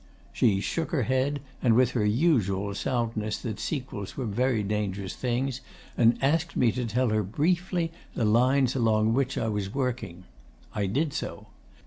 She shook her head, said with her usual soundness that sequels were very dangerous things, and asked me to tell her "briefly" the lines along which I was working. I did so.